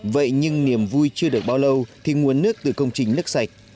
vậy nhưng niềm vui chưa được bao lâu thì nguồn nước từ công trình nước sạch